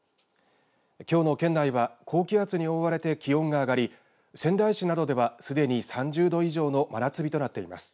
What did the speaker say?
きょうの県内は高気圧に覆われて気温が上がり仙台市などではすでに３０度以上の真夏日となっています。